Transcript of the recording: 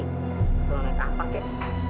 kalau naik apa kek